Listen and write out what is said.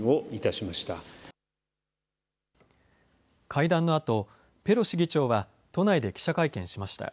会談のあと、ペロシ議長は都内で記者会見しました。